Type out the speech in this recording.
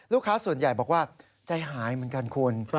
ลูกค้าส่วนใหญ่บอกว่าใจหายเหมือนกันคุณ